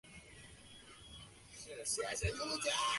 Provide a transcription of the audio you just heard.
其家族世有贤名。